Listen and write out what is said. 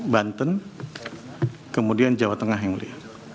banten kemudian jawa tengah yang mulia